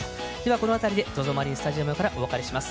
この辺りでＺＯＺＯマリンスタジアムからお別れします。